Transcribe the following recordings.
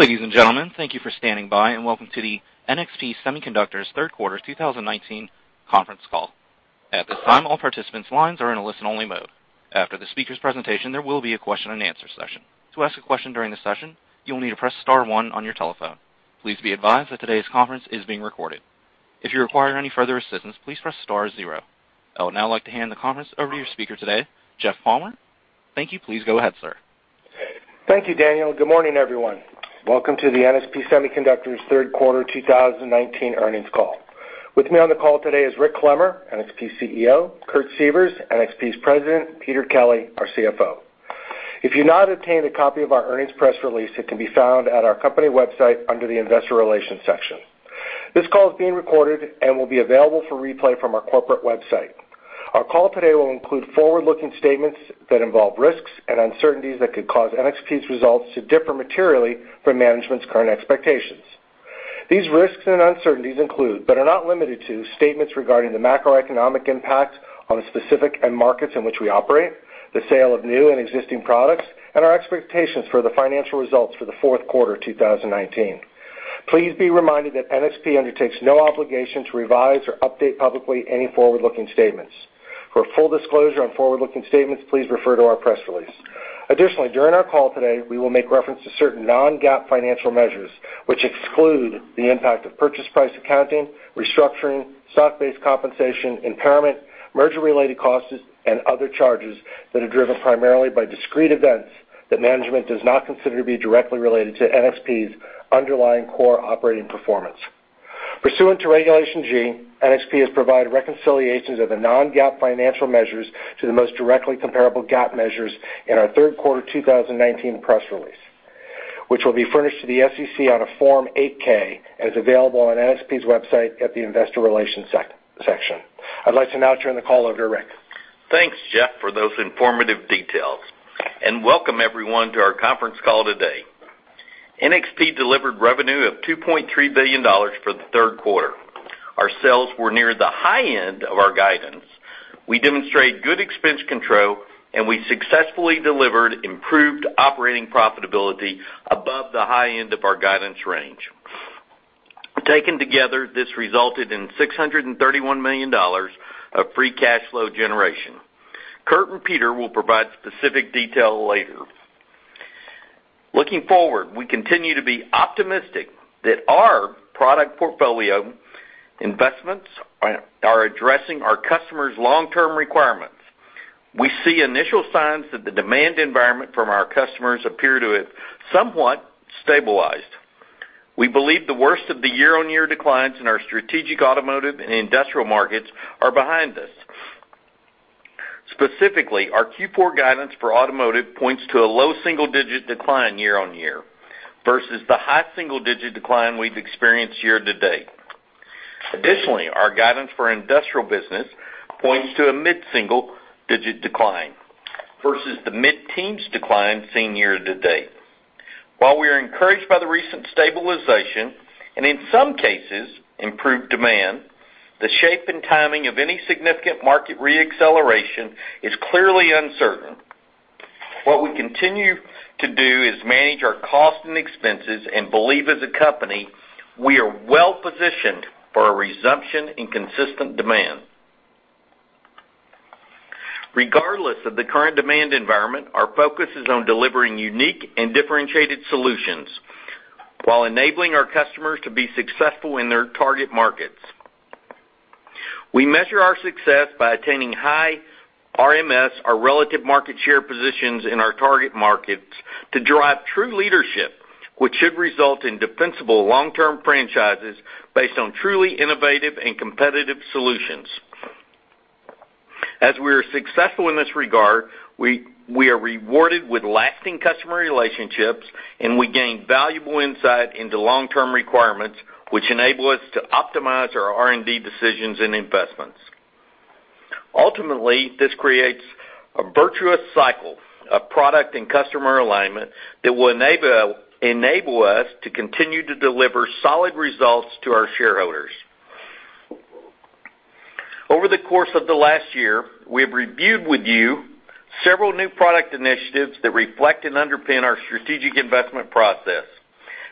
Ladies and gentlemen, thank you for standing by and welcome to the NXP Semiconductors third quarter 2019 conference call. At this time, all participants' lines are in a listen-only mode. After the speaker's presentation, there will be a question and answer session. To ask a question during the session, you will need to press star one on your telephone. Please be advised that today's conference is being recorded. If you require any further assistance, please press star zero. I would now like to hand the conference over to your speaker today, Jeff Palmer. Thank you. Please go ahead, sir. Thank you, Daniel. Good morning, everyone. Welcome to the NXP Semiconductors third quarter 2019 earnings call. With me on the call today is Rick Clemmer, NXP CEO, Kurt Sievers, NXP's President, Peter Kelly, our CFO. If you have not obtained a copy of our earnings press release, it can be found at our company website under the investor relations section. This call is being recorded and will be available for replay from our corporate website. Our call today will include forward-looking statements that involve risks and uncertainties that could cause NXP's results to differ materially from management's current expectations. These risks and uncertainties include, but are not limited to, statements regarding the macroeconomic impact on the specific end markets in which we operate, the sale of new and existing products, and our expectations for the financial results for the fourth quarter 2019. Please be reminded that NXP undertakes no obligation to revise or update publicly any forward-looking statements. For full disclosure on forward-looking statements, please refer to our press release. Additionally, during our call today, we will make reference to certain non-GAAP financial measures, which exclude the impact of purchase price accounting, restructuring, stock-based compensation, impairment, merger-related costs, and other charges that are driven primarily by discrete events that management does not consider to be directly related to NXP's underlying core operating performance. Pursuant to Regulation G, NXP has provided reconciliations of the non-GAAP financial measures to the most directly comparable GAAP measures in our third quarter 2019 press release, which will be furnished to the SEC on a Form 8-K and is available on NXP's website at the investor relations section. I'd like to now turn the call over to Rick. Thanks, Jeff, for those informative details, and welcome everyone to our conference call today. NXP delivered revenue of $2.3 billion for the third quarter. Our sales were near the high end of our guidance. We demonstrate good expense control, and we successfully delivered improved operating profitability above the high end of our guidance range. Taken together, this resulted in $631 million of free cash flow generation. Kurt and Peter will provide specific detail later. Looking forward, we continue to be optimistic that our product portfolio investments are addressing our customers' long-term requirements. We see initial signs that the demand environment from our customers appear to have somewhat stabilized. We believe the worst of the year-on-year declines in our strategic automotive and industrial markets are behind us. Specifically, our Q4 guidance for automotive points to a low single-digit decline year-on-year versus the high single-digit decline we've experienced year-to-date. Additionally, our guidance for industrial business points to a mid-single-digit decline versus the mid-teens decline seen year-to-date. While we are encouraged by the recent stabilization and, in some cases, improved demand, the shape and timing of any significant market re-acceleration is clearly uncertain. What we continue to do is manage our cost and expenses and believe as a company, we are well-positioned for a resumption in consistent demand. Regardless of the current demand environment, our focus is on delivering unique and differentiated solutions while enabling our customers to be successful in their target markets. We measure our success by attaining high RMS or relative market share positions in our target markets to drive true leadership, which should result in defensible long-term franchises based on truly innovative and competitive solutions. As we are successful in this regard, we are rewarded with lasting customer relationships, and we gain valuable insight into long-term requirements, which enable us to optimize our R&D decisions and investments. Ultimately, this creates a virtuous cycle of product and customer alignment that will enable us to continue to deliver solid results to our shareholders. Over the course of the last year, we have reviewed with you several new product initiatives that reflect and underpin our strategic investment process.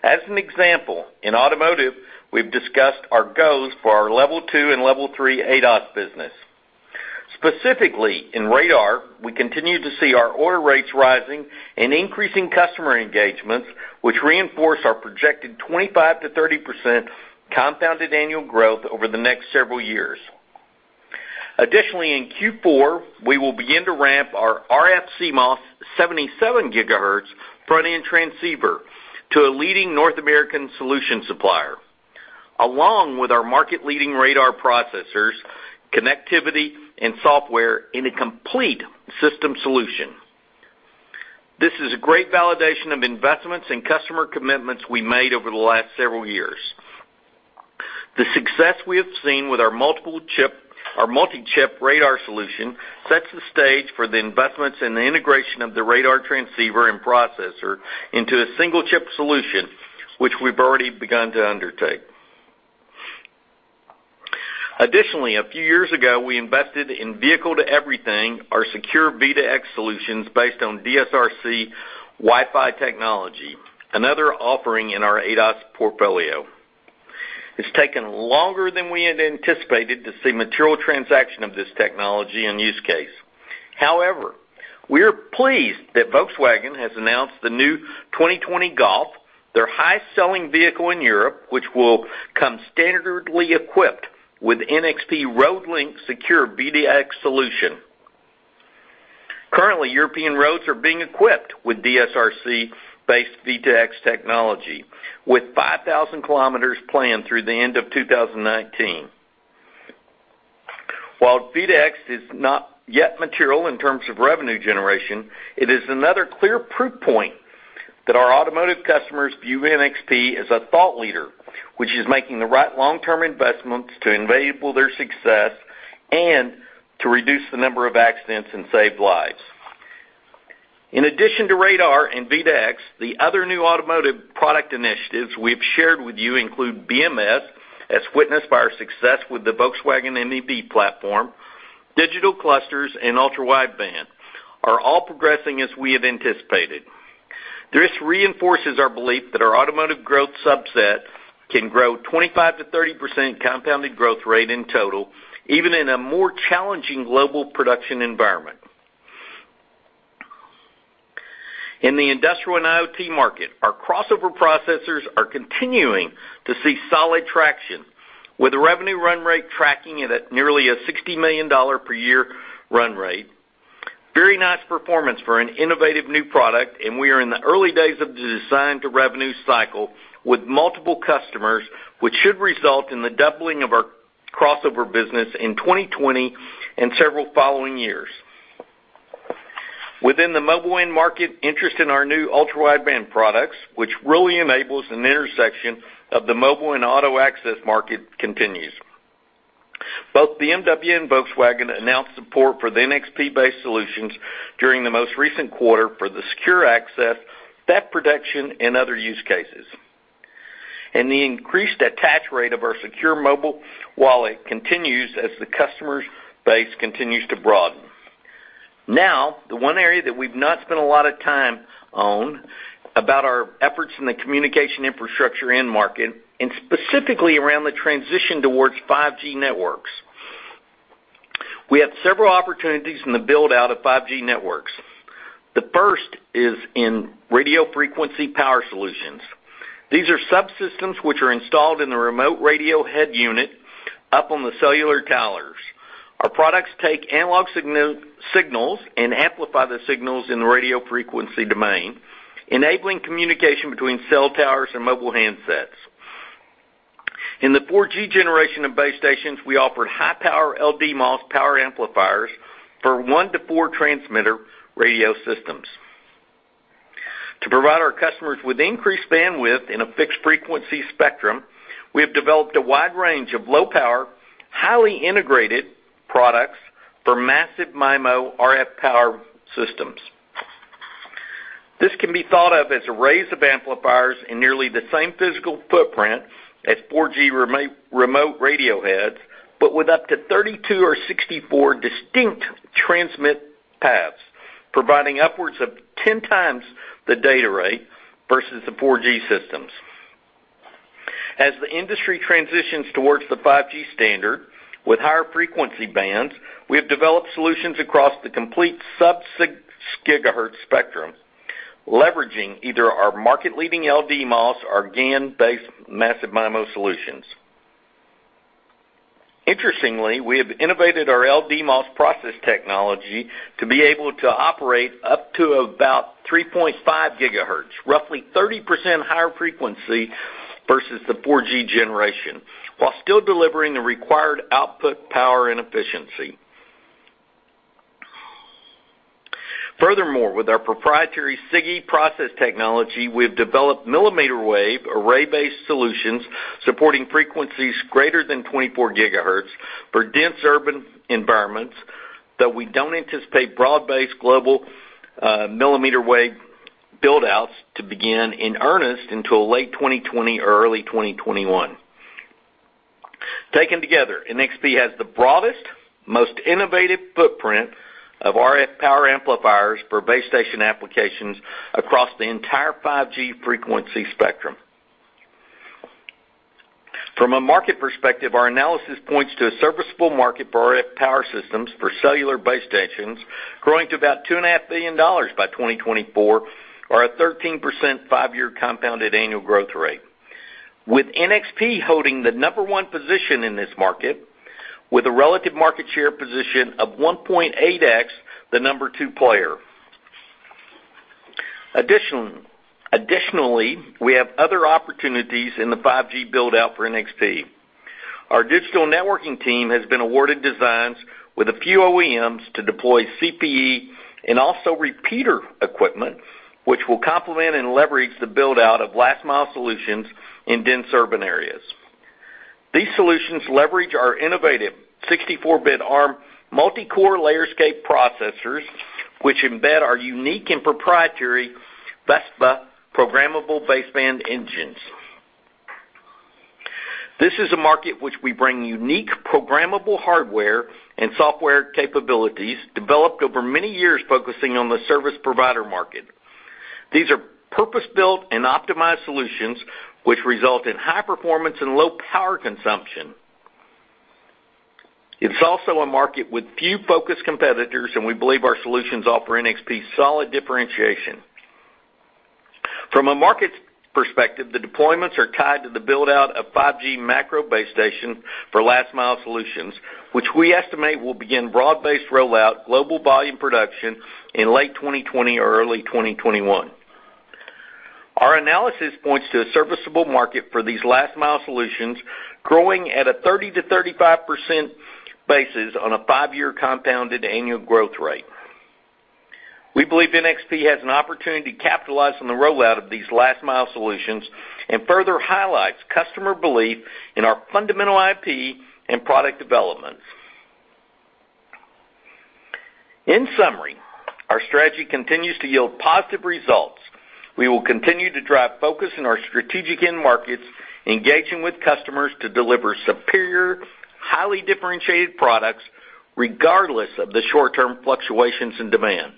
As an example, in automotive, we've discussed our goals for our level 2 and level 3 ADAS business. Specifically, in radar, we continue to see our order rates rising and increasing customer engagements, which reinforce our projected 25%-30% compounded annual growth over the next several years. Additionally, in Q4, we will begin to ramp our RFCMOS 77 gigahertz front-end transceiver to a leading North American solution supplier, along with our market-leading radar processors, connectivity, and software in a complete system solution. This is a great validation of investments and customer commitments we made over the last several years. The success we have seen with our multi-chip radar solution sets the stage for the investments and the integration of the radar transceiver and processor into a single-chip solution, which we've already begun to undertake. Additionally, a few years ago, we invested in Vehicle to Everything, our secure V2X solutions based on DSRC Wi-Fi technology, another offering in our ADAS portfolio. It's taken longer than we had anticipated to see material transaction of this technology and use case. However, we are pleased that Volkswagen has announced the new 2020 Golf, their highest selling vehicle in Europe, which will come standardly equipped with NXP RoadLINK secure V2X solution. Currently, European roads are being equipped with DSRC-based V2X technology, with 5,000 kilometers planned through the end of 2019. While V2X is not yet material in terms of revenue generation, it is another clear proof point that our automotive customers view NXP as a thought leader, which is making the right long-term investments to enable their success and to reduce the number of accidents and save lives. In addition to radar and V2X, the other new automotive product initiatives we've shared with you include BMS, as witnessed by our success with the Volkswagen MEB platform, digital clusters, and Ultra-Wideband, are all progressing as we have anticipated. This reinforces our belief that our automotive growth subset can grow 25%-30% compounded growth rate in total, even in a more challenging global production environment. In the industrial and IoT market, our crossover processors are continuing to see solid traction with the revenue run rate tracking it at nearly a $60 million per year run rate. Very nice performance for an innovative new product, and we are in the early days of the design to revenue cycle with multiple customers, which should result in the doubling of our crossover business in 2020 and several following years. Within the mobile end market, interest in our new Ultra-Wideband products, which really enables an intersection of the mobile and auto access market, continues. Both BMW and Volkswagen announced support for the NXP-based solutions during the most recent quarter for the secure access, theft protection, and other use cases. The increased attach rate of our secure mobile wallet continues as the customer base continues to broaden. The one area that we've not spent a lot of time on about our efforts in the communication infrastructure end market, and specifically around the transition towards 5G networks. We have several opportunities in the build-out of 5G networks. The first is in radio frequency power solutions. These are subsystems which are installed in the remote radio head unit up on the cellular towers. Our products take analog signals and amplify the signals in the radio frequency domain, enabling communication between cell towers and mobile handsets. In the 4G generation of base stations, we offered high-power LDMOS power amplifiers for 1-4 transmitter radio systems. To provide our customers with increased bandwidth in a fixed frequency spectrum, we have developed a wide range of low-power, highly integrated products for massive MIMO RF power systems. This can be thought of as arrays of amplifiers in nearly the same physical footprint as 4G remote radio heads, but with up to 32 or 64 distinct transmit paths, providing upwards of 10 times the data rate versus the 4G systems. As the industry transitions towards the 5G standard with higher frequency bands, we have developed solutions across the complete sub-gigahertz spectrum, leveraging either our market-leading LDMOS or GaN-based massive MIMO solutions. Interestingly, we have innovated our LDMOS process technology to be able to operate up to about 3.5 gigahertz, roughly 30% higher frequency versus the 4G generation, while still delivering the required output power and efficiency. Furthermore, with our proprietary SiGe process technology, we've developed millimeter wave array-based solutions supporting frequencies greater than 24 gigahertz for dense urban environments, though we don't anticipate broad-based global millimeter wave build-outs to begin in earnest until late 2020 or early 2021. Taken together, NXP has the broadest, most innovative footprint of RF power amplifiers for base station applications across the entire 5G frequency spectrum. From a market perspective, our analysis points to a serviceable market for RF power systems for cellular base stations growing to about $2.5 billion by 2024 or a 13% five-year compounded annual growth rate. With NXP holding the number 1 position in this market with a relative market share position of 1.8x the number 2 player. We have other opportunities in the 5G build-out for NXP. Our digital networking team has been awarded designs with a few OEMs to deploy CPE and also repeater equipment, which will complement and leverage the build-out of last mile solutions in dense urban areas. These solutions leverage our innovative 64-bit Arm multi-core Layerscape processors, which embed our unique and proprietary VESPA programmable baseband engines. This is a market which we bring unique programmable hardware and software capabilities developed over many years, focusing on the service provider market. These are purpose-built and optimized solutions which result in high performance and low power consumption. It's also a market with few focused competitors, and we believe our solutions offer NXP solid differentiation. From a market perspective, the deployments are tied to the build-out of 5G macro base station for last mile solutions, which we estimate will begin broad-based rollout global volume production in late 2020 or early 2021. Our analysis points to a serviceable market for these last mile solutions, growing at a 30% to 35% basis on a five-year compounded annual growth rate. We believe NXP has an opportunity to capitalize on the rollout of these last mile solutions and further highlights customer belief in our fundamental IP and product development. In summary, our strategy continues to yield positive results. We will continue to drive focus in our strategic end markets, engaging with customers to deliver superior, highly differentiated products, regardless of the short-term fluctuations in demand.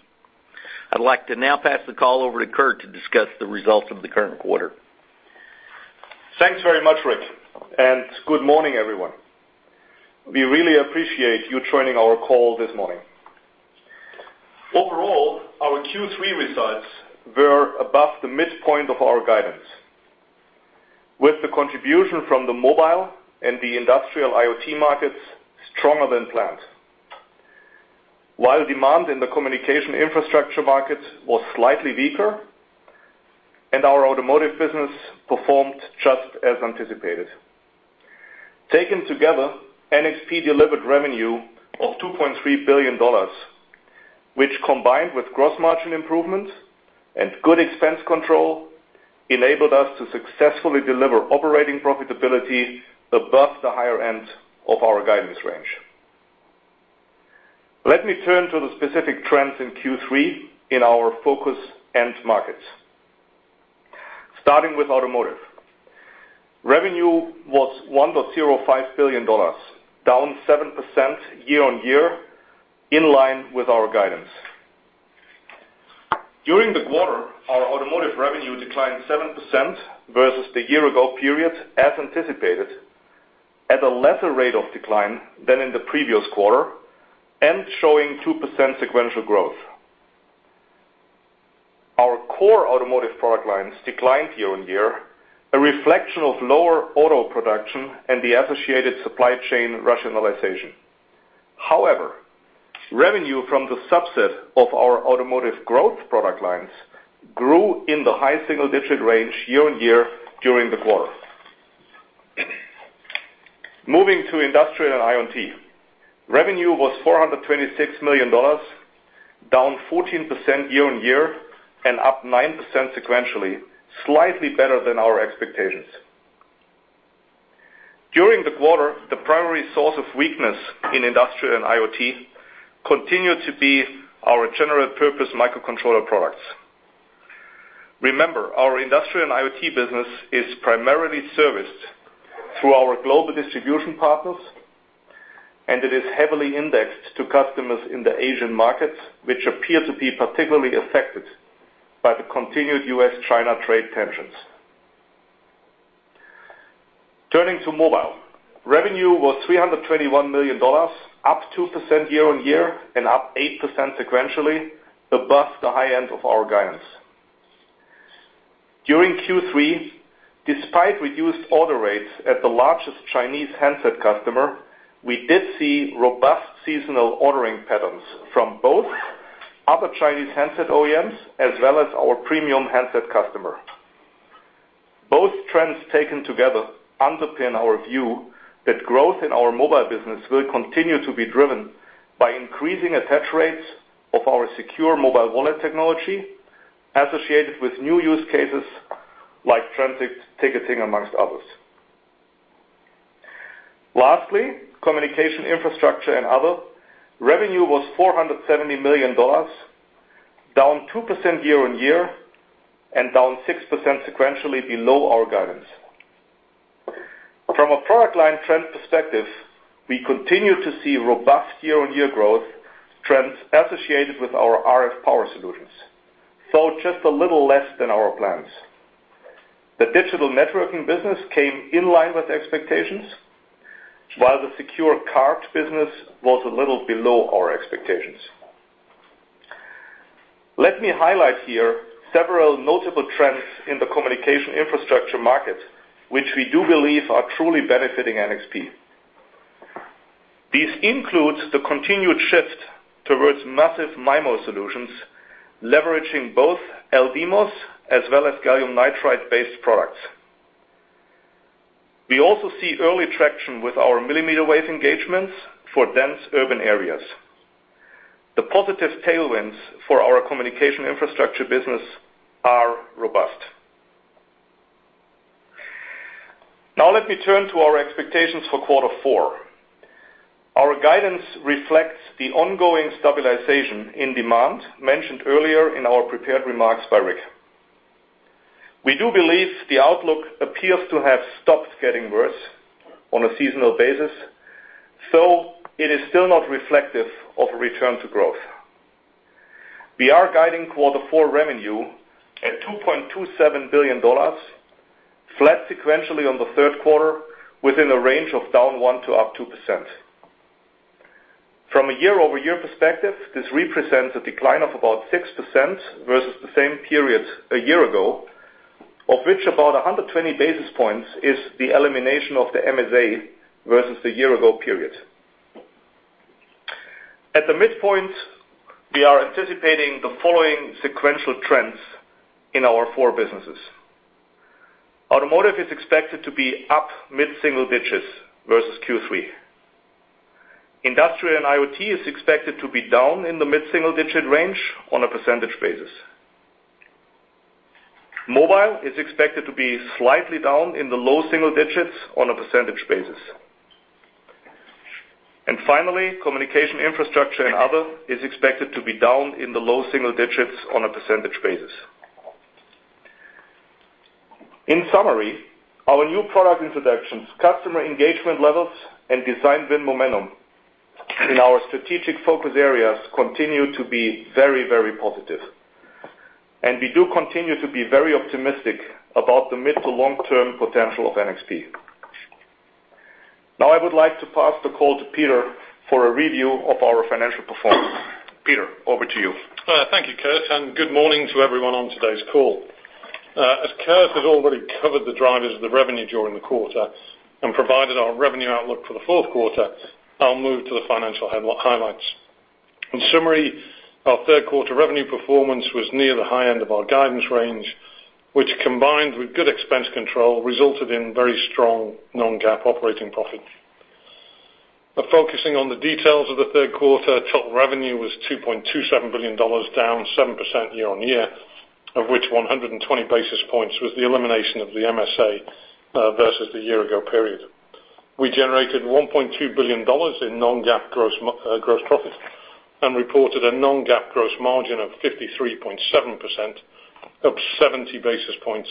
I'd like to now pass the call over to Kurt to discuss the results of the current quarter. Thanks very much, Rick, good morning, everyone. We really appreciate you joining our call this morning. Overall, our Q3 results were above the midpoint of our guidance, with the contribution from the mobile and the industrial IoT markets stronger than planned, while demand in the communication infrastructure market was slightly weaker, and our automotive business performed just as anticipated. Taken together, NXP delivered revenue of $2.3 billion, which, combined with gross margin improvements and good expense control, enabled us to successfully deliver operating profitability above the higher end of our guidance range. Let me turn to the specific trends in Q3 in our focus end markets. Starting with automotive. Revenue was $1.05 billion, down 7% year-on-year, in line with our guidance. During the quarter, our automotive revenue declined 7% versus the year-ago period, as anticipated, at a lesser rate of decline than in the previous quarter and showing 2% sequential growth. Our core automotive product lines declined year-on-year, a reflection of lower auto production and the associated supply chain rationalization. Revenue from the subset of our automotive growth product lines grew in the high single-digit range year-on-year during the quarter. Moving to Industrial and IoT. Revenue was $426 million, down 14% year-on-year and up 9% sequentially, slightly better than our expectations. During the quarter, the primary source of weakness in Industrial and IoT continued to be our general purpose microcontroller products. Remember, our Industrial and IoT business is primarily serviced through our global distribution partners, and it is heavily indexed to customers in the Asian markets, which appear to be particularly affected by the continued U.S.-China trade tensions. Turning to mobile. Revenue was $321 million, up 2% year-on-year and up 8% sequentially, above the high end of our guidance. During Q3, despite reduced order rates at the largest Chinese handset customer, we did see robust seasonal ordering patterns from both other Chinese handset OEMs as well as our premium handset customer. Both trends taken together underpin our view that growth in our mobile business will continue to be driven by increasing attach rates of our secure mobile wallet technology associated with new use cases like transit ticketing, amongst others. Lastly, communication infrastructure and other, revenue was $470 million, down 2% year-on-year and down 6% sequentially below our guidance. From a product line trend perspective, we continue to see robust year-on-year growth trends associated with our RF power solutions, so just a little less than our plans. The digital networking business came in line with expectations, while the secure cards business was a little below our expectations. Let me highlight here several notable trends in the communication infrastructure market, which we do believe are truly benefiting NXP. These include the continued shift towards massive MIMO solutions, leveraging both LDMOS as well as gallium nitride-based products. We also see early traction with our millimeter wave engagements for dense urban areas. The positive tailwinds for our communication infrastructure business are robust. Now let me turn to our expectations for quarter four. Our guidance reflects the ongoing stabilization in demand mentioned earlier in our prepared remarks by Rick. We do believe the outlook appears to have stopped getting worse on a seasonal basis, though it is still not reflective of a return to growth. We are guiding Q4 revenue at $2.27 billion, flat sequentially on Q3, within a range of down 1% to 2%. From a year-over-year perspective, this represents a decline of about 6% versus the same period a year ago, of which about 120 basis points is the elimination of the MSA versus the year-ago period. At the midpoint, we are anticipating the following sequential trends in our four businesses. Automotive is expected to be up mid-single digits versus Q3. Industrial and IoT is expected to be down in the mid-single-digit range on a percentage basis. Mobile is expected to be slightly down in the low single digits on a percentage basis. Finally, communication infrastructure and other is expected to be down in the low single digits on a percentage basis. In summary, our new product introductions, customer engagement levels, and design win momentum in our strategic focus areas continue to be very, very positive, and we do continue to be very optimistic about the mid- to long-term potential of NXP. Now I would like to pass the call to Peter for a review of our financial performance. Peter, over to you. Thank you, Kurt, and good morning to everyone on today's call. As Kurt has already covered the drivers of the revenue during the quarter and provided our revenue outlook for the fourth quarter, I'll move to the financial highlights. In summary, our third quarter revenue performance was near the high end of our guidance range, which, combined with good expense control, resulted in very strong non-GAAP operating profit. Focusing on the details of the third quarter, total revenue was $2.27 billion, down 7% year-on-year, of which 120 basis points was the elimination of the MSA versus the year-ago period. We generated $1.2 billion in non-GAAP gross profit and reported a non-GAAP gross margin of 53.7%, up 70 basis points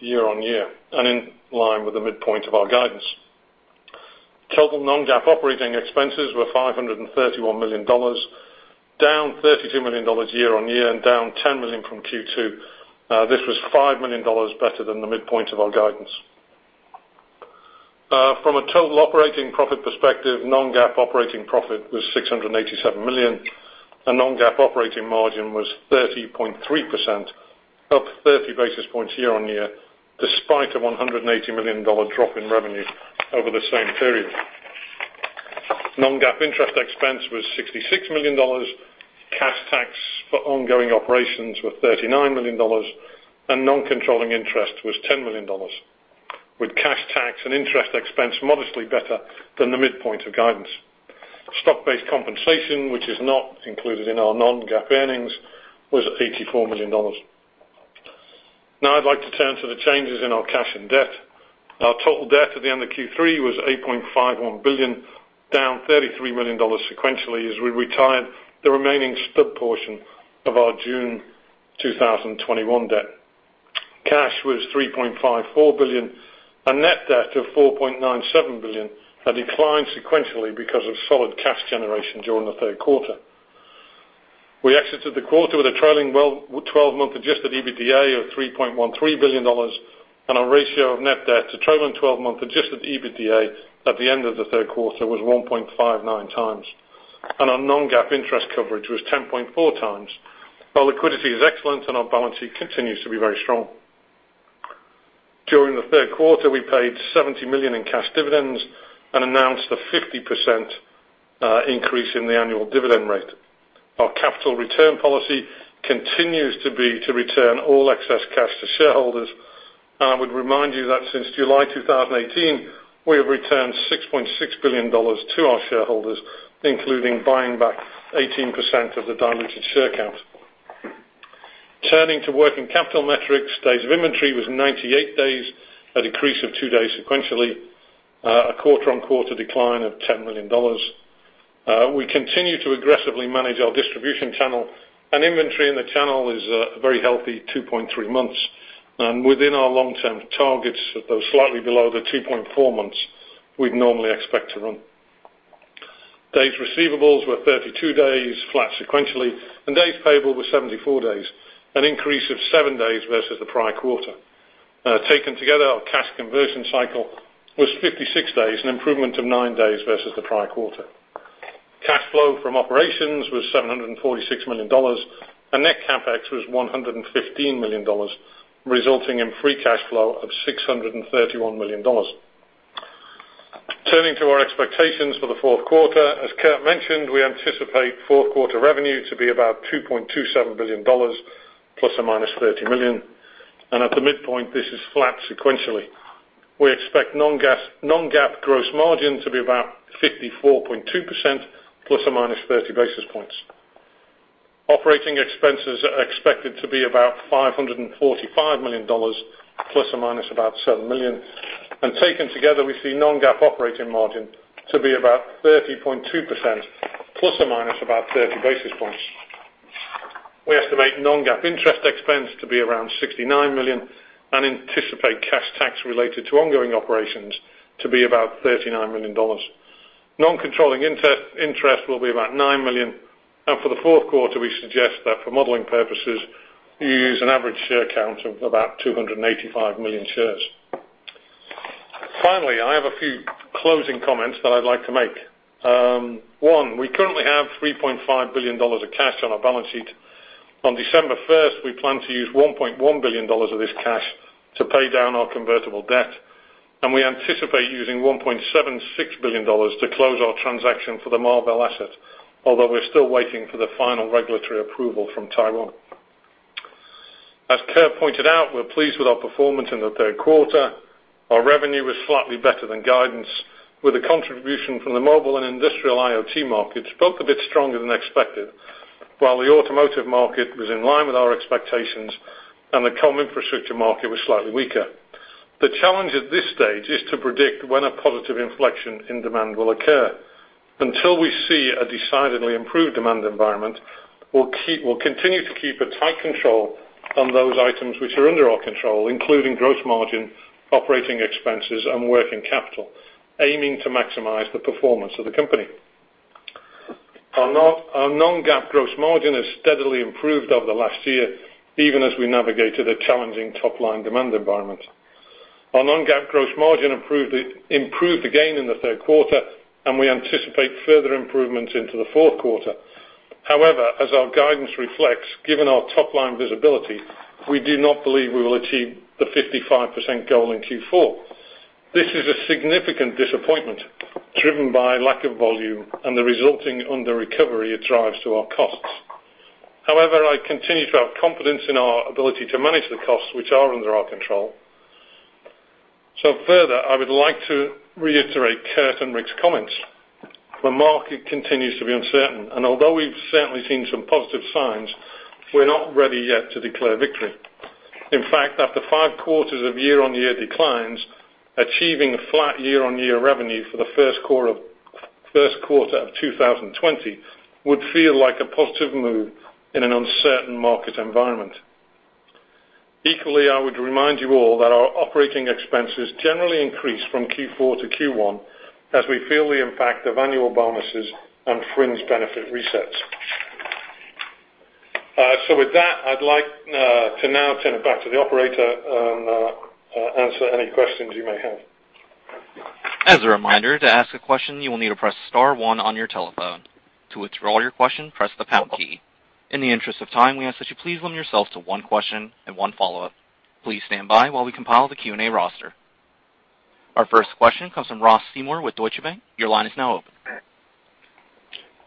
year-on-year and in line with the midpoint of our guidance. Total non-GAAP operating expenses were $531 million, down $32 million year-on-year and down $10 million from Q2. This was $5 million better than the midpoint of our guidance. From a total operating profit perspective, non-GAAP operating profit was $687 million and non-GAAP operating margin was 30.3%, up 30 basis points year-on-year, despite a $180 million drop in revenue over the same period. Non-GAAP interest expense was $66 million, cash tax for ongoing operations were $39 million, and non-controlling interest was $10 million. With cash tax and interest expense modestly better than the midpoint of guidance. Stock-based compensation, which is not included in our non-GAAP earnings, was $84 million. Now I'd like to turn to the changes in our cash and debt. Our total debt at the end of Q3 was $8.51 billion, down $33 million sequentially as we retired the remaining stub portion of our June 2021 debt. Cash was $3.54 billion. Net debt of $4.97 billion had declined sequentially because of solid cash generation during the third quarter. We exited the quarter with a trailing 12-month adjusted EBITDA of $3.13 billion. A ratio of net debt to trailing 12-month adjusted EBITDA at the end of the third quarter was 1.59 times. Our non-GAAP interest coverage was 10.4 times. Our liquidity is excellent. Our balance sheet continues to be very strong. During the third quarter, we paid $70 million in cash dividends and announced a 50% increase in the annual dividend rate. Our capital return policy continues to be to return all excess cash to shareholders. I would remind you that since July 2018, we have returned $6.6 billion to our shareholders, including buying back 18% of the diluted share count. Turning to working capital metrics, days of inventory was 98 days, a decrease of two days sequentially, a quarter-on-quarter decline of $10 million. We continue to aggressively manage our distribution channel. Inventory in the channel is a very healthy 2.3 months and within our long-term targets, though slightly below the 2.4 months we'd normally expect to run. Days receivables were 32 days, flat sequentially. Days payable were 74 days, an increase of seven days versus the prior quarter. Taken together, our cash conversion cycle was 56 days, an improvement of nine days versus the prior quarter. Cash flow from operations was $746 million. Net CapEx was $115 million, resulting in free cash flow of $631 million. Turning to our expectations for the fourth quarter, as Kurt mentioned, we anticipate fourth quarter revenue to be about $2.27 billion ±$30 million. At the midpoint, this is flat sequentially. We expect non-GAAP gross margin to be about 54.2% ±30 basis points. Operating expenses are expected to be about $545 million ±$7 million. Taken together, we see non-GAAP operating margin to be about 30.2% ±30 basis points. We estimate non-GAAP interest expense to be around $69 million and anticipate cash tax related to ongoing operations to be about $39 million. Non-controlling interest will be about $9 million. For the fourth quarter, we suggest that for modeling purposes, you use an average share count of about 285 million shares. Finally, I have a few closing comments that I'd like to make. One, we currently have $3.5 billion of cash on our balance sheet. On December 1st, we plan to use $1.1 billion of this cash to pay down our convertible debt, and we anticipate using $1.76 billion to close our transaction for the Marvell asset. We're still waiting for the final regulatory approval from Taiwan. As Kurt pointed out, we're pleased with our performance in the third quarter. Our revenue was slightly better than guidance, with a contribution from the mobile and industrial IoT markets, both a bit stronger than expected. The automotive market was in line with our expectations and the comm infrastructure market was slightly weaker. The challenge at this stage is to predict when a positive inflection in demand will occur. Until we see a decidedly improved demand environment, we'll continue to keep a tight control on those items which are under our control, including gross margin, operating expenses, and working capital, aiming to maximize the performance of the company. Our non-GAAP gross margin has steadily improved over the last year, even as we navigated a challenging top-line demand environment. Our non-GAAP gross margin improved again in the third quarter. We anticipate further improvements into the fourth quarter. As our guidance reflects, given our top-line visibility, we do not believe we will achieve the 55% goal in Q4. This is a significant disappointment driven by lack of volume and the resulting under recovery it drives to our costs. I continue to have confidence in our ability to manage the costs which are under our control. Further, I would like to reiterate Kurt and Rick's comments. The market continues to be uncertain, and although we've certainly seen some positive signs, we're not ready yet to declare victory. In fact, after five quarters of year-on-year declines, achieving a flat year-on-year revenue for the first quarter of 2020 would feel like a positive move in an uncertain market environment. Equally, I would remind you all that our operating expenses generally increase from Q4 to Q1 as we feel the impact of annual bonuses and fringe benefit resets. With that, I'd like to now turn it back to the operator and answer any questions you may have. As a reminder, to ask a question, you will need to press star one on your telephone. To withdraw your question, press the pound key. In the interest of time, we ask that you please limit yourselves to one question and one follow-up. Please stand by while we compile the Q&A roster. Our first question comes from Ross Seymore with Deutsche Bank. Your line is now open.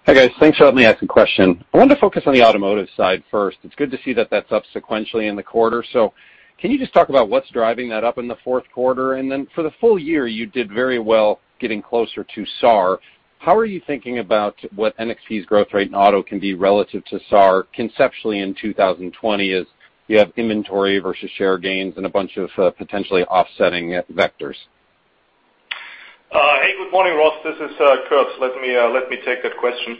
Hi, guys. Thanks for letting me ask a question. I wanted to focus on the automotive side first. It's good to see that that's up sequentially in the quarter. Can you just talk about what's driving that up in the fourth quarter? Then for the full year, you did very well getting closer to SAAR. How are you thinking about what NXP's growth rate in auto can be relative to SAAR conceptually in 2020 as you have inventory versus share gains and a bunch of potentially offsetting vectors? Hey, good morning, Ross. This is Kurt. Let me take that question.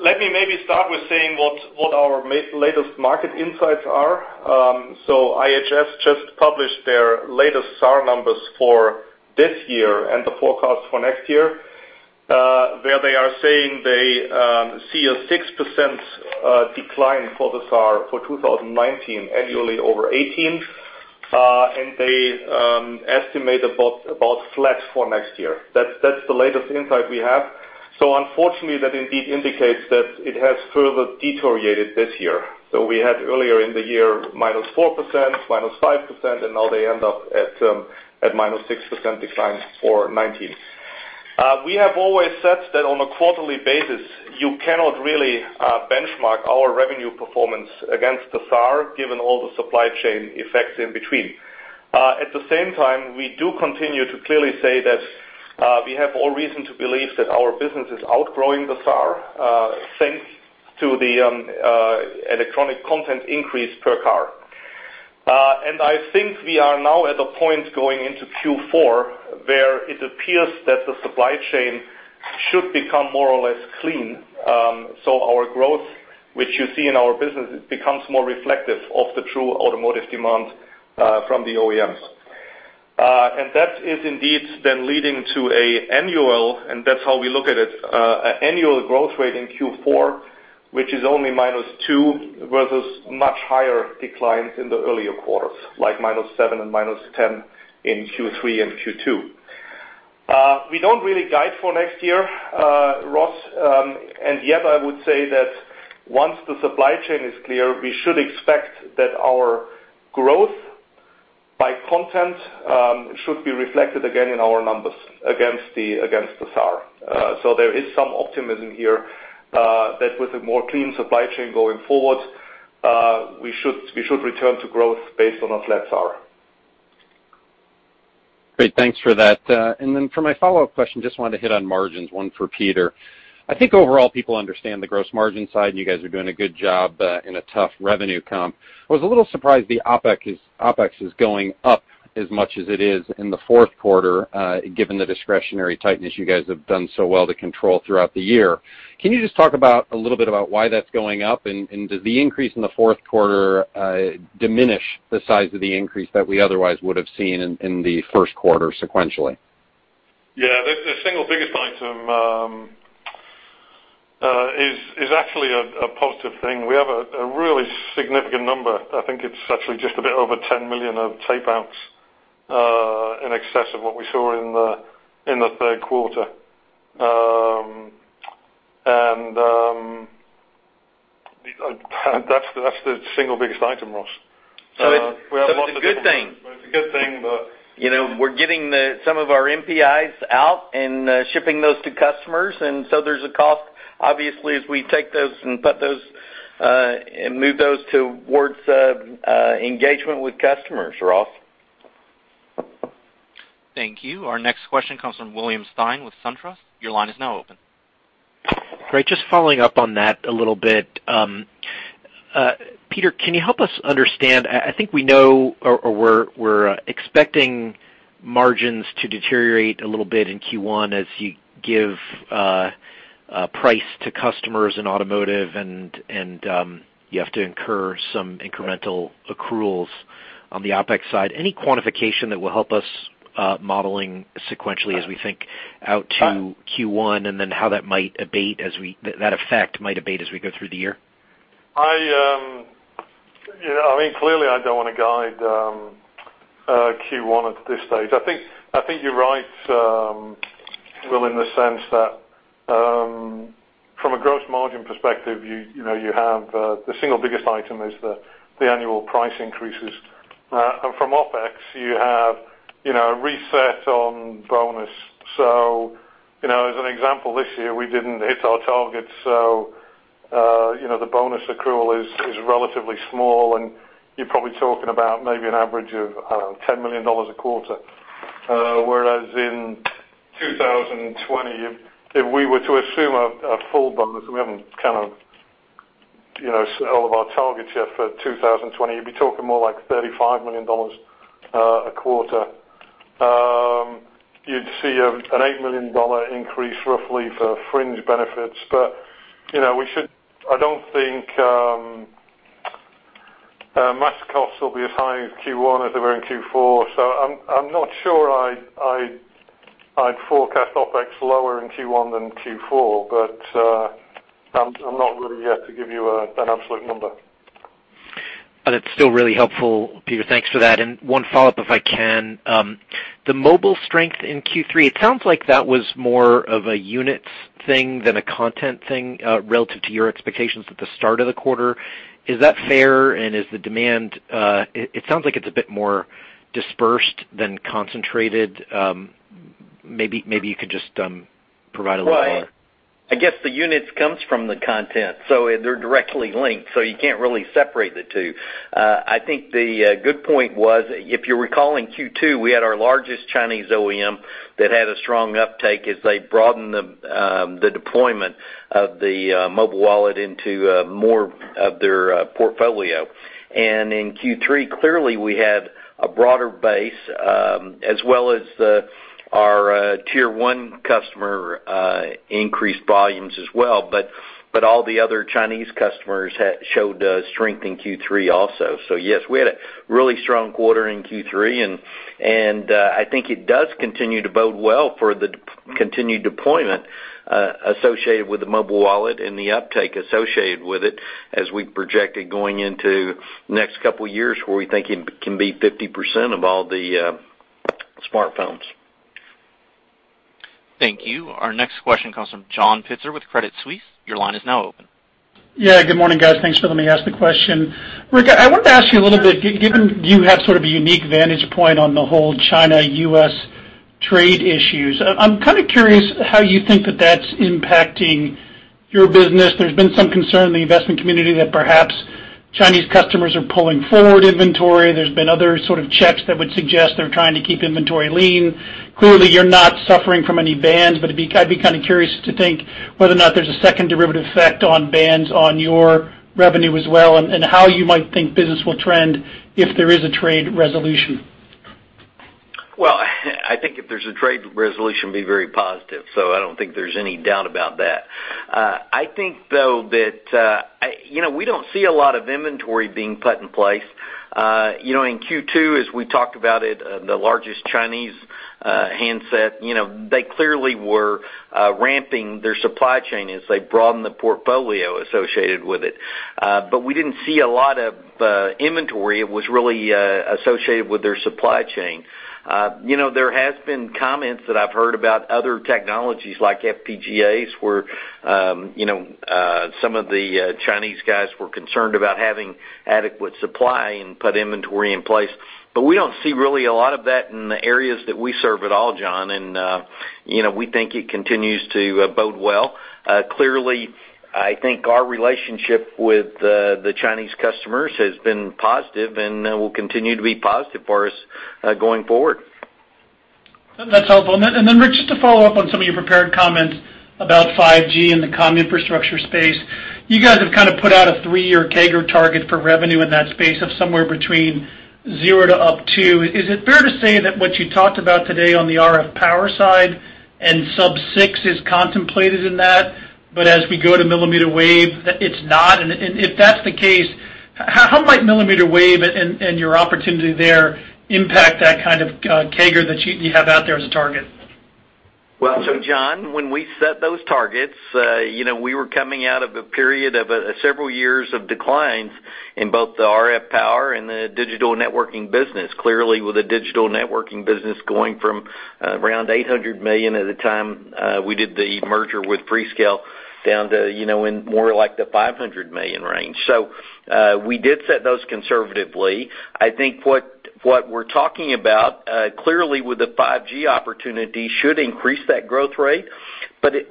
Let me maybe start with saying what our latest market insights are. IHS just published their latest SAAR numbers for this year and the forecast for next year, where they are saying they see a 6% decline for the SAAR for 2019 annually over 2018. They estimate about flat for next year. That's the latest insight we have. Unfortunately, that indeed indicates that it has further deteriorated this year. We had earlier in the year minus 4%, minus 5%, and now they end up at minus 6% decline for 2019. We have always said that on a quarterly basis, you cannot really benchmark our revenue performance against the SAAR, given all the supply chain effects in between. At the same time, we do continue to clearly say that we have all reason to believe that our business is outgrowing the SAAR, thanks to the electronic content increase per car. I think we are now at a point going into Q4, where it appears that the supply chain should become more or less clean. Our growth, which you see in our business, becomes more reflective of the true automotive demand from the OEMs. That is indeed then leading to an annual, and that's how we look at it, annual growth rate in Q4, which is only -2 versus much higher declines in the earlier quarters, like -7 and -10 in Q3 and Q2. We don't really guide for next year, Ross, and yet I would say that once the supply chain is clear, we should expect that our growth by content should be reflected again in our numbers against the SAAR. There is some optimism here that with a more clean supply chain going forward, we should return to growth based on a flat SAAR Great. Thanks for that. Then for my follow-up question, just wanted to hit on margins, one for Peter. I think overall people understand the gross margin side, and you guys are doing a good job in a tough revenue comp. I was a little surprised the OpEx is going up as much as it is in the fourth quarter, given the discretionary tightness you guys have done so well to control throughout the year. Can you just talk a little bit about why that's going up, and does the increase in the fourth quarter diminish the size of the increase that we otherwise would've seen in the first quarter sequentially? Yeah. The single biggest item is actually a positive thing. We have a really significant number. I think it's actually just a bit over 10 million of tape outs, in excess of what we saw in the third quarter. That's the single biggest item, Ross. It's a good thing. It's a good thing. We're getting some of our NPIs out and shipping those to customers. There's a cost, obviously, as we take those and move those towards engagement with customers, Ross. Thank you. Our next question comes from William Stein with SunTrust. Your line is now open. Great. Just following up on that a little bit. Peter, can you help us understand, I think we know or we're expecting margins to deteriorate a little bit in Q1 as you give price to customers in automotive and you have to incur some incremental accruals on the OpEx side. Any quantification that will help us modeling sequentially as we think out to Q1, and then how that effect might abate as we go through the year? Clearly, I don't want to guide Q1 at this stage. I think you're right, Will, in the sense that from a gross margin perspective, the single biggest item is the annual price increases. From OpEx, you have a reset on bonus. As an example, this year, we didn't hit our targets, so the bonus accrual is relatively small, and you're probably talking about maybe an average of $10 million a quarter. Whereas in 2020, if we were to assume a full bonus, we haven't set all of our targets yet for 2020, you'd be talking more like $35 million a quarter. You'd see an $8 million increase roughly for fringe benefits. I don't think mass costs will be as high in Q1 as they were in Q4, so I'm not sure I'd forecast OpEx lower in Q1 than Q4. I'm not ready yet to give you an absolute number. That's still really helpful, Peter. Thanks for that. One follow-up if I can. The mobile strength in Q3, it sounds like that was more of a units thing than a content thing relative to your expectations at the start of the quarter. Is that fair? It sounds like it's a bit more dispersed than concentrated. Maybe you could just provide a little more Well, I guess the units comes from the content. They're directly linked, so you can't really separate the two. I think the good point was, if you recall in Q2, we had our largest Chinese OEM that had a strong uptake as they broadened the deployment of the mobile wallet into more of their portfolio. In Q3, clearly we had a broader base, as well as our tier 1 customer increased volumes as well, but all the other Chinese customers showed strength in Q3 also. Yes, we had a really strong quarter in Q3, and I think it does continue to bode well for the continued deployment associated with the mobile wallet and the uptake associated with it as we project it going into next couple years, where we think it can be 50% of all the smartphones. Thank you. Our next question comes from John Pitzer with Credit Suisse. Your line is now open. Yeah, good morning, guys. Thanks for letting me ask the question. Rick, I wanted to ask you a little bit, given you have sort of a unique vantage point on the whole China-U.S. trade issues, I'm kind of curious how you think that that's impacting your business. There's been some concern in the investment community that perhaps Chinese customers are pulling forward inventory. There's been other sort of checks that would suggest they're trying to keep inventory lean. Clearly, you're not suffering from any bans, but I'd be kind of curious to think whether or not there's a second derivative effect on bans on your revenue as well, and how you might think business will trend if there is a trade resolution. Well, I think if there's a trade resolution, it'd be very positive. I don't think there's any doubt about that. I think, though, that we don't see a lot of inventory being put in place. In Q2, as we talked about it, the largest Chinese handset, they clearly were ramping their supply chain as they broadened the portfolio associated with it. We didn't see a lot of inventory. It was really associated with their supply chain. There has been comments that I've heard about other technologies like FPGAs, where some of the Chinese guys were concerned about having adequate supply and put inventory in place. We don't see really a lot of that in the areas that we serve at all, John. We think it continues to bode well. Clearly, I think our relationship with the Chinese customers has been positive, and will continue to be positive for us going forward. That's helpful. Then Rick, just to follow up on some of your prepared comments about 5G and the comm infrastructure space. You guys have kind of put out a three-year CAGR target for revenue in that space of somewhere between zero to up two. Is it fair to say that what you talked about today on the RF power side and sub-6 is contemplated in that, but as we go to millimeter wave, it's not? If that's the case, how might millimeter wave and your opportunity there impact that kind of CAGR that you have out there as a target? Well, John, when we set those targets, we were coming out of a period of several years of declines in both the RF power and the digital networking business. Clearly, with the digital networking business going from around $800 million at the time we did the merger with Freescale, down to in more like the $500 million range. We did set those conservatively. I think what we're talking about, clearly with the 5G opportunity, should increase that growth rate.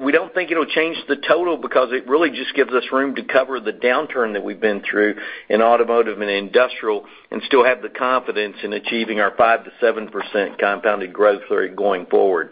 We don't think it'll change the total because it really just gives us room to cover the downturn that we've been through in automotive and industrial, and still have the confidence in achieving our 5%-7% compounded growth rate going forward.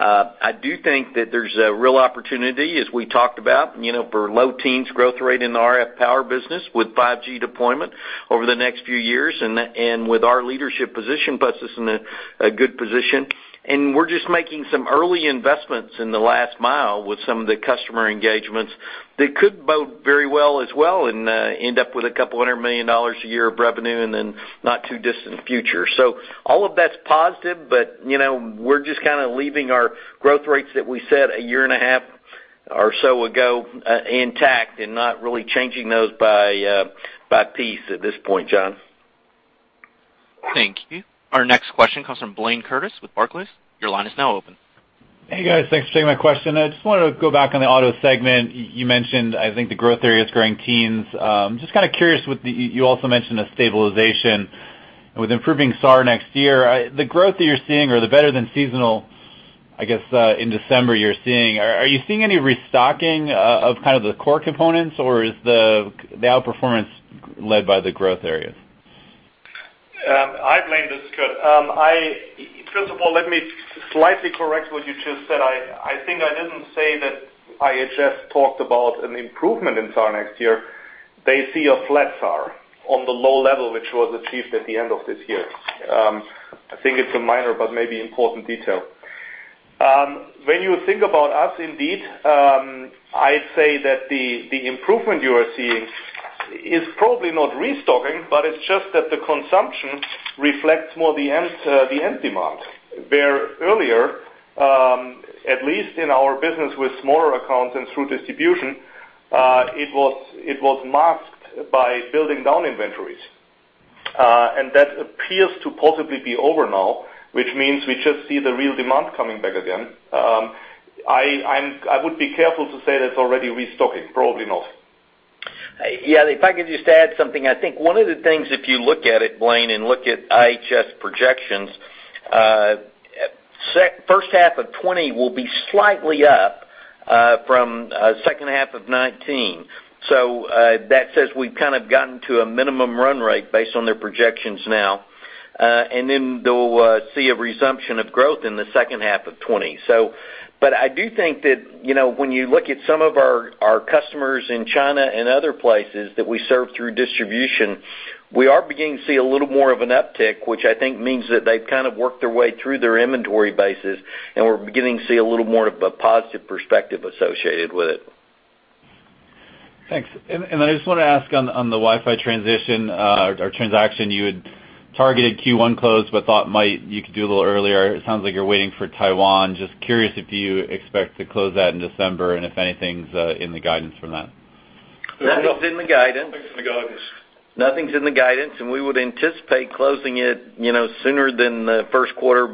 I do think that there's a real opportunity, as we talked about, for low teens growth rate in the RF power business with 5G deployment over the next few years. With our leadership position puts us in a good position. We're just making some early investments in the last mile with some of the customer engagements that could bode very well as well, and end up with $200 million a year of revenue in the not too distant future. All of that's positive, but we're just kind of leaving our growth rates that we set a year and a half or so ago intact and not really changing those by piece at this point, John. Thank you. Our next question comes from Blayne Curtis with Barclays. Your line is now open. Hey, guys. Thanks for taking my question. I just wanted to go back on the auto segment. You mentioned, I think, the growth there is growing teens. Just kind of curious, you also mentioned a stabilization with improving SAAR next year. The growth that you're seeing or the better than seasonal, I guess, in December you're seeing, are you seeing any restocking of kind of the core components, or is the outperformance led by the growth areas? Hi, Blayne. This is Kurt. First of all, let me slightly correct what you just said. I think I didn't say that IHS talked about an improvement in SAAR next year. They see a flat SAAR on the low level, which was achieved at the end of this year. I think it's a minor, but maybe important detail. When you think about us, indeed, I'd say that the improvement you are seeing is probably not restocking, but it's just that the consumption reflects more the end demand. Where earlier, at least in our business with smaller accounts and through distribution, it was masked by building down inventories. That appears to possibly be over now, which means we just see the real demand coming back again. I would be careful to say that it's already restocking. Probably not. Yeah, if I could just add something. I think one of the things, if you look at it, Blayne, and look at IHS projections, first half of 2020 will be slightly up from second half of 2019. That says we've kind of gotten to a minimum run rate based on their projections now. They'll see a resumption of growth in the second half of 2020. I do think that when you look at some of our customers in China and other places that we serve through distribution, we are beginning to see a little more of an uptick, which I think means that they've kind of worked their way through their inventory bases, and we're beginning to see a little more of a positive perspective associated with it. Thanks. I just want to ask on the Wi-Fi transition, or transaction, you had targeted Q1 close but thought you could do a little earlier. It sounds like you're waiting for Taiwan. Just curious if you expect to close that in December and if anything's in the guidance from that. Nothing's in the guidance. Nothing's in the guidance. Nothing's in the guidance. We would anticipate closing it sooner than the first quarter.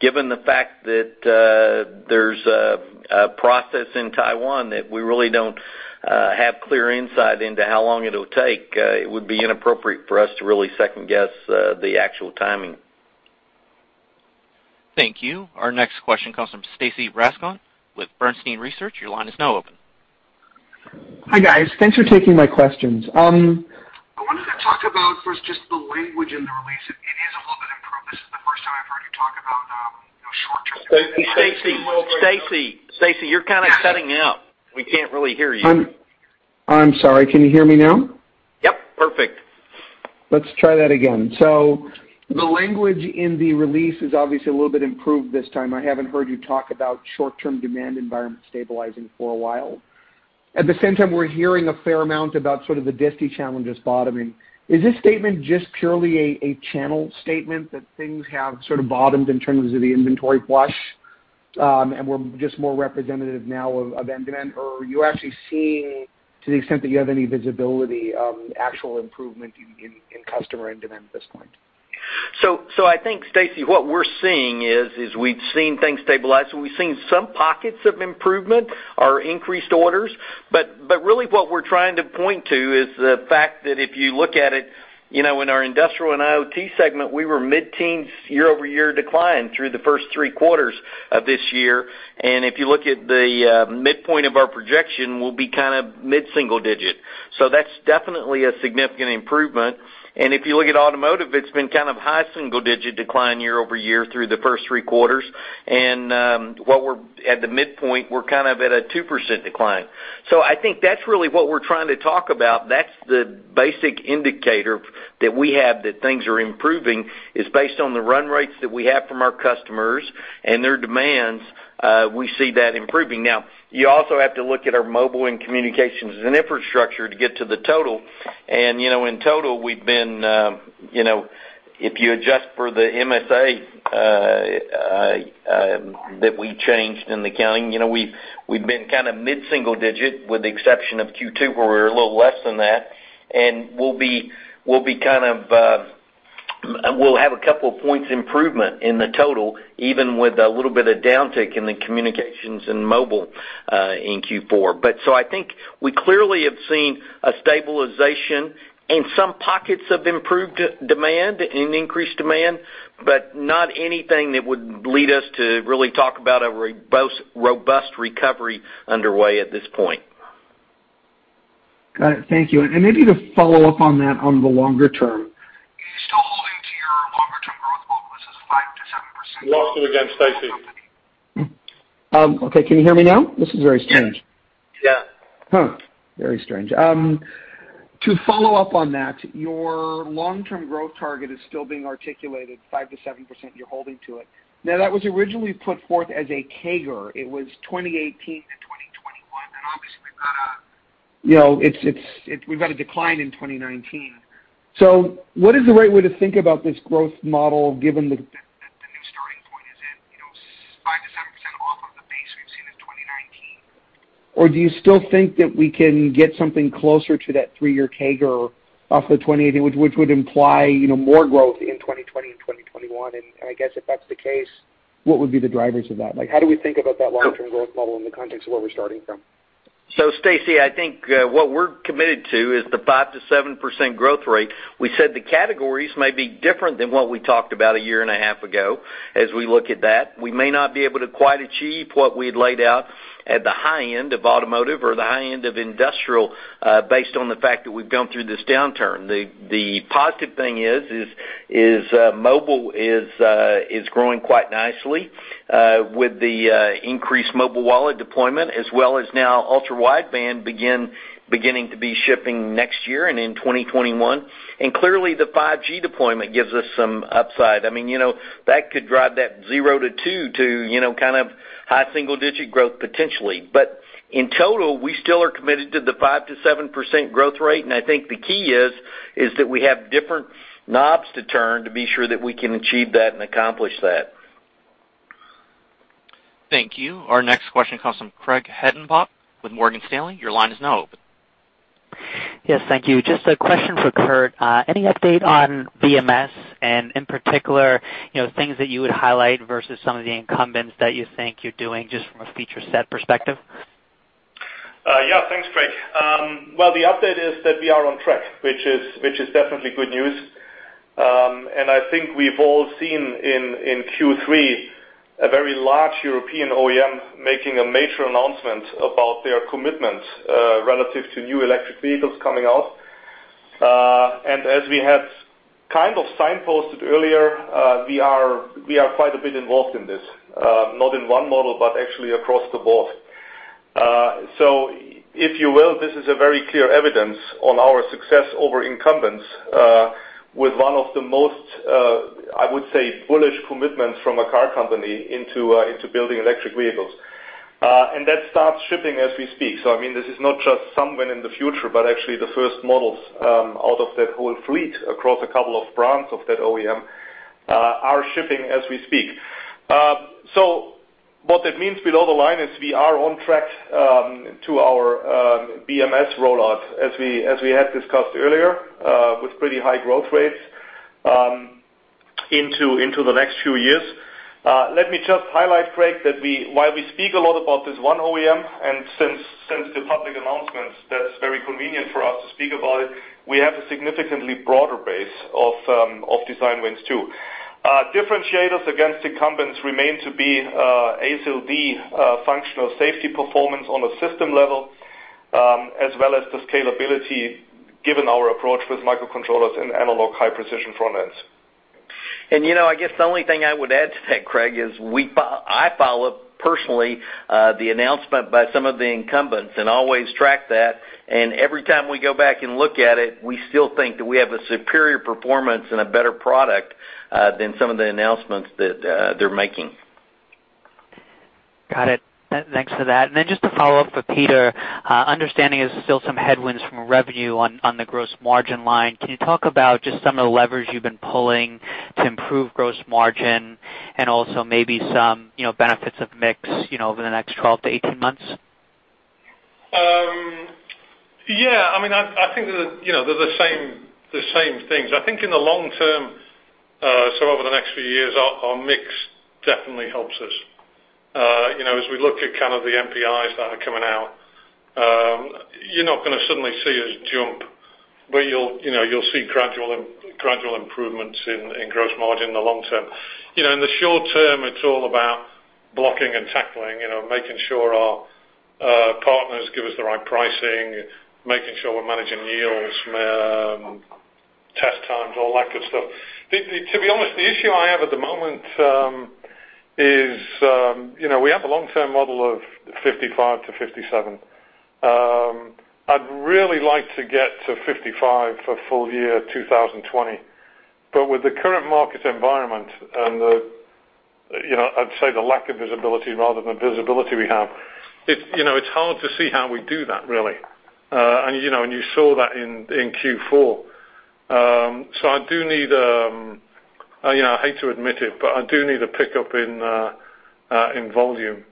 Given the fact that there's a process in Taiwan that we really don't have clear insight into how long it'll take, it would be inappropriate for us to really second guess the actual timing. Thank you. Our next question comes from Stacy Rasgon with Bernstein Research. Your line is now open. Hi, guys. Thanks for taking my questions. I wanted to talk about, first, just the language in the release. It is a little bit improved. This is the first time I've heard you talk about short-term- Stacy, you're kind of cutting out. We can't really hear you. I'm sorry. Can you hear me now? Yep, perfect. Let's try that again. The language in the release is obviously a little bit improved this time. I haven't heard you talk about short-term demand environment stabilizing for a while. At the same time, we're hearing a fair amount about sort of the disti challenges bottoming. Is this statement just purely a channel statement that things have sort of bottomed in terms of the inventory flush, and we're just more representative now of end demand? Are you actually seeing, to the extent that you have any visibility, actual improvement in customer end demand at this point? I think, Stacy, what we're seeing is we've seen things stabilize. We've seen some pockets of improvement or increased orders. Really what we're trying to point to is the fact that if you look at it in our industrial and IoT segment, we were mid-teens year-over-year decline through the first three quarters of this year. If you look at the midpoint of our projection, we'll be kind of mid-single digit. That's definitely a significant improvement. If you look at automotive, it's been kind of high single digit decline year-over-year through the first three quarters. At the midpoint, we're kind of at a 2% decline. I think that's really what we're trying to talk about. That's the basic indicator that we have that things are improving is based on the run rates that we have from our customers and their demands. We see that improving. You also have to look at our mobile and communications as an infrastructure to get to the total. In total, if you adjust for the MSA that we changed in accounting, we've been kind of mid-single digit, with the exception of Q2, where we were a little less than that. We'll have a couple of points improvement in the total, even with a little bit of downtick in the communications and mobile in Q4. I think we clearly have seen a stabilization and some pockets of improved demand and increased demand, but not anything that would lead us to really talk about a robust recovery underway at this point. Got it. Thank you. Maybe to follow up on that on the longer term. Are you still holding to your longer-term growth model, which is 5%-7%? We lost you again, Stacy. Okay. Can you hear me now? This is very strange. Yes. Very strange. To follow up on that, your long-term growth target is still being articulated 5% to 7%, you're holding to it. That was originally put forth as a CAGR. It was 2018 to 2021. Obviously, we've had a decline in 2019. What is the right way to think about this growth model given that the new starting point is at 5% to 7% off of the base we've seen in 2019? Do you still think that we can get something closer to that three-year CAGR off the 2018, which would imply more growth in 2020 and 2021? I guess if that's the case, what would be the drivers of that? How do we think about that long-term growth model in the context of where we're starting from? Stacy, I think what we're committed to is the 5%-7% growth rate. We said the categories may be different than what we talked about a year and a half ago as we look at that. We may not be able to quite achieve what we'd laid out at the high end of automotive or the high end of industrial, based on the fact that we've gone through this downturn. The positive thing is mobile is growing quite nicely with the increased mobile wallet deployment, as well as now Ultra-Wideband beginning to be shipping next year and in 2021. Clearly, the 5G deployment gives us some upside. That could drive that 0-2 to kind of high single-digit growth potentially. In total, we still are committed to the 5%-7% growth rate, and I think the key is that we have different knobs to turn to be sure that we can achieve that and accomplish that. Thank you. Our next question comes from Craig Hettenbach with Morgan Stanley. Your line is now open. Yes, thank you. Just a question for Kurt. Any update on BMS, and in particular, things that you would highlight versus some of the incumbents that you think you're doing just from a feature set perspective? Yeah. Thanks, Craig. Well, the update is that we are on track, which is definitely good news. I think we've all seen in Q3 a very large European OEM making a major announcement about their commitment relative to new electric vehicles coming out. As we had kind of signposted earlier, we are quite a bit involved in this. Not in one model, but actually across the board. If you will, this is a very clear evidence on our success over incumbents, with one of the most, I would say, bullish commitments from a car company into building electric vehicles. That starts shipping as we speak. This is not just somewhere in the future, but actually the first models out of that whole fleet across a couple of brands of that OEM are shipping as we speak. What that means below the line is we are on track to our BMS rollout, as we had discussed earlier, with pretty high growth rates into the next few years. Let me just highlight, Craig, that while we speak a lot about this one OEM, and since the public announcement, that's very convenient for us to speak about it, we have a significantly broader base of design wins too. Differentiators against incumbents remain to be ASIL D functional safety performance on a system level, as well as the scalability given our approach with microcontrollers and analog high precision front ends. I guess the only thing I would add to that, Craig, is I follow personally the announcement by some of the incumbents and always track that. Every time we go back and look at it, we still think that we have a superior performance and a better product than some of the announcements that they're making. Got it. Thanks for that. Just a follow-up for Peter. Understanding there's still some headwinds from revenue on the gross margin line, can you talk about just some of the levers you've been pulling to improve gross margin and also maybe some benefits of mix over the next 12 to 18 months? Yeah. I think they're the same things. I think in the long term, so over the next few years, our mix definitely helps us. As we look at kind of the NPIs that are coming out, you're not going to suddenly see us jump, but you'll see gradual improvements in gross margin in the long term. In the short term, it's all about blocking and tackling, making sure our partners give us the right pricing, making sure we're managing yields, test times, all that good stuff. To be honest, the issue I have at the moment is we have a long-term model of 55%-57%. I'd really like to get to 55% for full year 2020. With the current market environment and I'd say the lack of visibility rather than visibility we have, it's hard to see how we do that, really. You saw that in Q4. I hate to admit it, but I do need a pickup in volume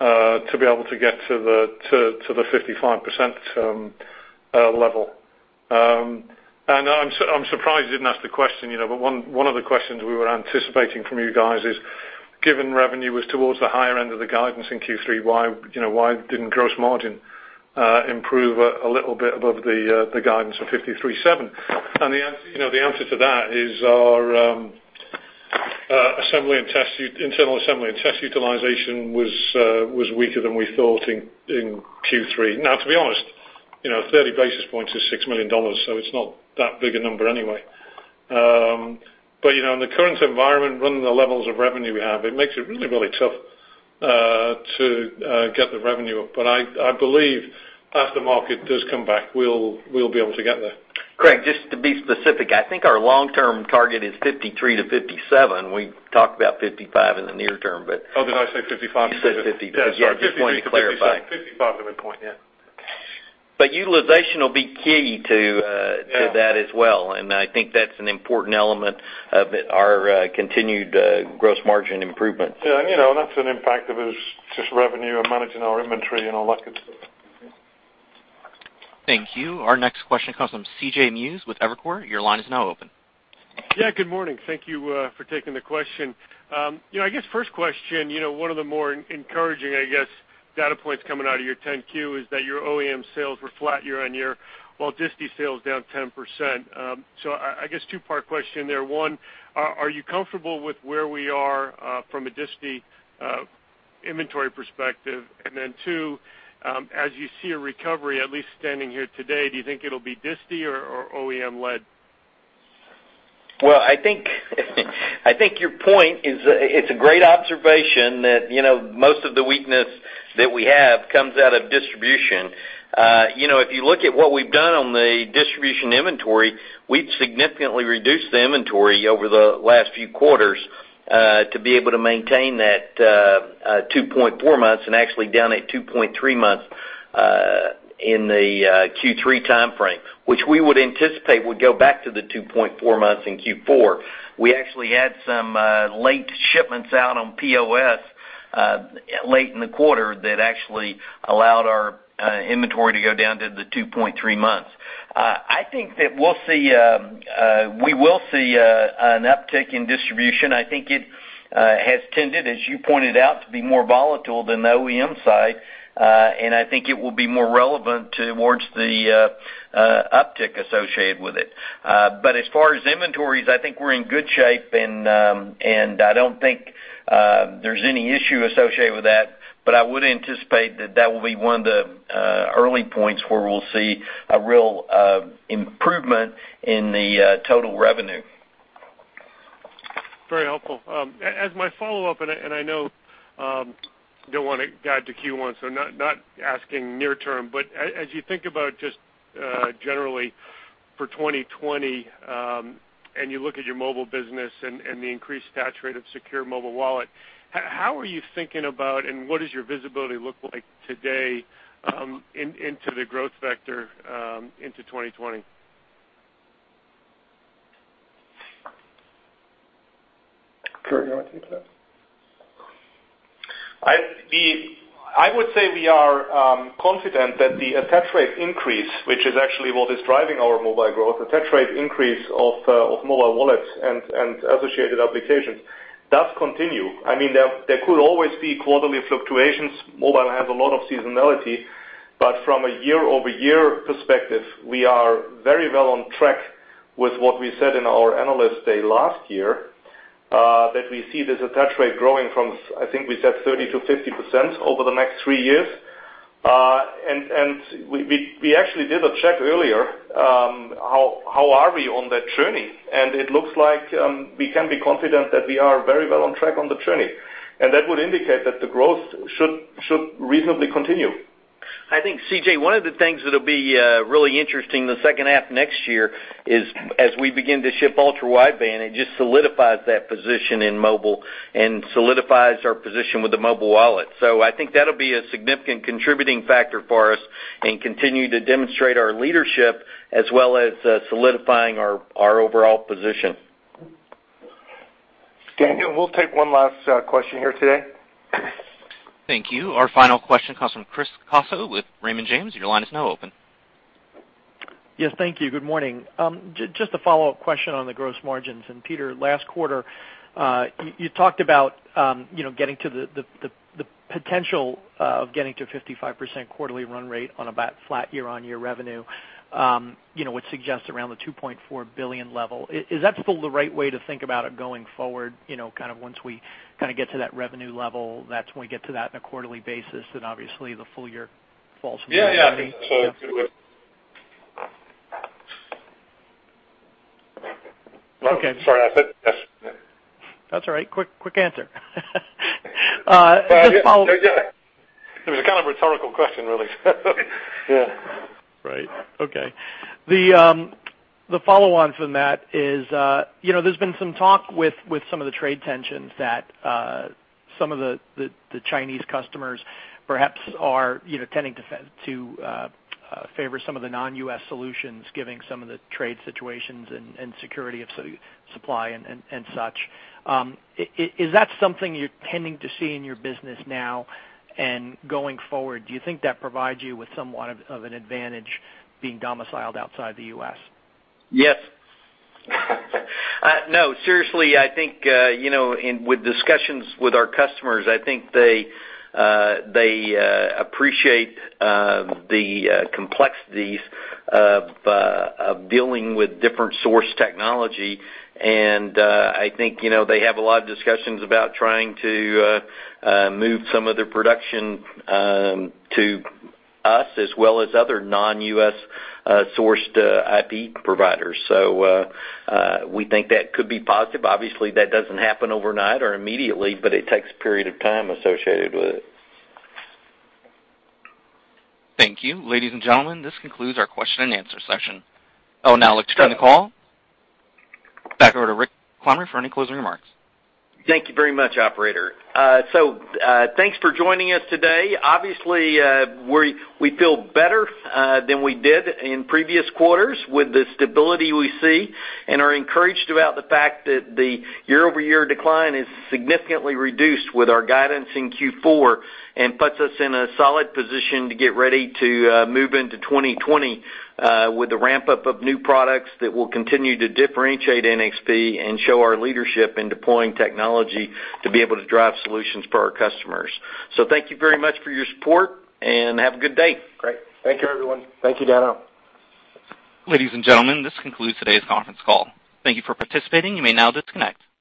to be able to get to the 55% level. I'm surprised you didn't ask the question, one of the questions we were anticipating from you guys is, given revenue was towards the higher end of the guidance in Q3, why didn't gross margin improve a little bit above the guidance of 53.7%? The answer to that is our internal assembly and test utilization was weaker than we thought in Q3. To be honest, 30 basis points is $6 million, it's not that big a number anyway. In the current environment, running the levels of revenue we have, it makes it really tough to get the revenue up. I believe as the market does come back, we'll be able to get there. Craig, just to be specific, I think our long-term target is 53 to 57. We talked about 55 in the near term. Oh, did I say 55? You said 50. Yeah, just wanted to clarify. Sorry, 50 to 57. 55 is my point, yeah. Utilization will be key to that as well, and I think that's an important element of our continued gross margin improvements. Yeah. That's an impact of just revenue and managing our inventory and all that good stuff. Thank you. Our next question comes from C.J. Muse with Evercore. Your line is now open. Yeah, good morning. Thank you for taking the question. I guess first question, one of the more encouraging, I guess, data points coming out of your 10-Q is that your OEM sales were flat year-on-year, while distie sales down 10%. I guess two-part question there. One, are you comfortable with where we are from a distie inventory perspective? Two, as you see a recovery, at least standing here today, do you think it'll be distie or OEM led? Well, I think your point is a great observation that most of the weakness that we have comes out of distribution. If you look at what we've done on the distribution inventory, we've significantly reduced the inventory over the last few quarters to be able to maintain that 2.4 months, and actually down at 2.3 months in the Q3 timeframe, which we would anticipate would go back to the 2.4 months in Q4. We actually had some late shipments out on POS late in the quarter that actually allowed our inventory to go down to the 2.3 months. I think that we will see an uptick in distribution. I think it has tended, as you pointed out, to be more volatile than the OEM side. I think it will be more relevant towards the uptick associated with it. As far as inventories, I think we're in good shape, and I don't think there's any issue associated with that. I would anticipate that that will be one of the early points where we'll see a real improvement in the total revenue. Very helpful. As my follow-up, I know you don't want to guide to Q1, not asking near term, as you think about just generally for 2020, and you look at your mobile business and the increased attach rate of secure mobile wallet, how are you thinking about, and what does your visibility look like today into the growth vector into 2020? Kurt, you want to take that? I would say we are confident that the attach rate increase, which is actually what is driving our mobile growth, attach rate increase of mobile wallets and associated applications, does continue. There could always be quarterly fluctuations. Mobile has a lot of seasonality. From a year-over-year perspective, we are very well on track with what we said in our Analyst Day last year, that we see this attach rate growing from, I think we said 30% to 50% over the next three years. We actually did a check earlier, how are we on that journey? It looks like we can be confident that we are very well on track on the journey. That would indicate that the growth should reasonably continue. I think, C.J., one of the things that'll be really interesting the second half next year is as we begin to ship Ultra-Wideband, it just solidifies that position in mobile and solidifies our position with the mobile wallet. I think that'll be a significant contributing factor for us and continue to demonstrate our leadership as well as solidifying our overall position. Daniel, we'll take one last question here today. Thank you. Our final question comes from Chris Caso with Raymond James. Your line is now open. Yes. Thank you. Good morning. Just a follow-up question on the gross margins. Peter, last quarter, you talked about the potential of getting to 55% quarterly run rate on about flat year-on-year revenue, which suggests around the $2.4 billion level. Is that still the right way to think about it going forward, kind of once we get to that revenue level, that's when we get to that on a quarterly basis, then obviously the full year falls in line? Yeah. It would Okay. Sorry. I said yes. That's all right. Quick answer. It was kind of a rhetorical question, really. Yeah. Right. Okay. The follow-on from that is, there's been some talk with some of the trade tensions that some of the Chinese customers perhaps are tending to favor some of the non-U.S. solutions, giving some of the trade situations and security of supply and such. Is that something you're tending to see in your business now? Going forward, do you think that provides you with somewhat of an advantage being domiciled outside the U.S.? Yes. No, seriously, I think, with discussions with our customers, I think they appreciate the complexities of dealing with different source technology. I think they have a lot of discussions about trying to move some of their production to us, as well as other non-U.S. sourced IP providers. We think that could be positive. Obviously, that doesn't happen overnight or immediately, but it takes a period of time associated with it. Thank you. Ladies and gentlemen, this concludes our question and answer session. I would now like to turn the call back over to Rick Clemmer for any closing remarks. Thank you very much, operator. Thanks for joining us today. Obviously, we feel better than we did in previous quarters with the stability we see, and are encouraged about the fact that the year-over-year decline is significantly reduced with our guidance in Q4, and puts us in a solid position to get ready to move into 2020 with the ramp-up of new products that will continue to differentiate NXP and show our leadership in deploying technology to be able to drive solutions for our customers. Thank you very much for your support, and have a good day. Great. Thank you, everyone. Thank you, Daniel. Ladies and gentlemen, this concludes today's conference call. Thank you for participating. You may now disconnect.